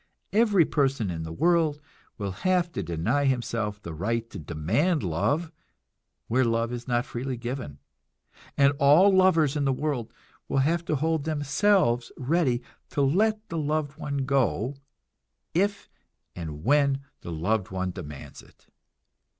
Every person in the world will have to deny himself the right to demand love where love is not freely given, and all lovers in the world will have to hold themselves ready to let the loved one go if and when the loved one demands it.